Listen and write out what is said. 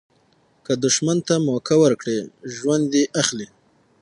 که دوښمن ته موکه ورکړي، ژوند دي اخلي.